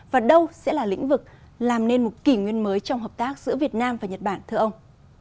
và đâu sẽ là lĩnh vực làm nên một kỷ nguyên mới trong hợp tác giữa việt nam và nhật bản thưa ông